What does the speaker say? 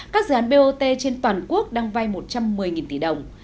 các dự án bot trên toàn quốc đang vay một trăm một mươi tỷ đồng